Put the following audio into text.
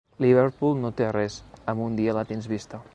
Liverpool no té res, amb un dia la tens vista.